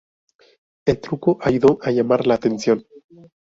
El truco ayudó a llamar la atención.